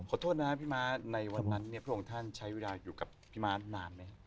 ขอโทษนะพี่ม้าในวันนั้นพวกท่านใช้เวลาอยู่กับพี่ม้านานไหม